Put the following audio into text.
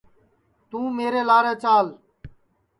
توں میرے لارے چال